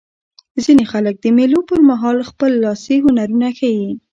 ځیني خلک د مېلو پر مهال خپل لاسي هنرونه ښيي.